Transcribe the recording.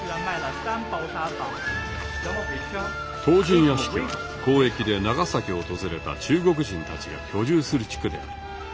唐人屋敷は交易で長崎を訪れた中国人たちが居住する地区である。